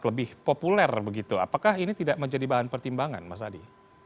lebih populer begitu apakah ini tidak menjadi bahan pertimbangan mas adi